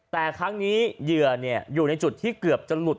แต่ครั้งนี้เหยื่ออยู่ในจุดที่เกือบจะหลุด